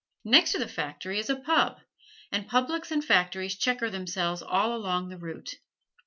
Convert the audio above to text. Next to the factory is a "pub.," and publics and factories checker themselves all along the route.